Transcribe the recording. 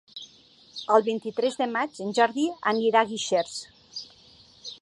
El vint-i-tres de maig en Jordi anirà a Guixers.